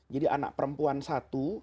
jadi anak perempuan satu